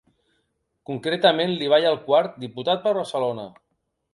Concretament, li balla el quart diputat per Barcelona.